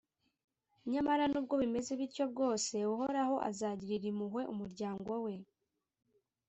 Nyamara n’ubwo bimeze bityo bwose, Uhoraho azagirira impuhwe umuryango we